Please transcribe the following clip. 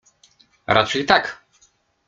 Raczej tak.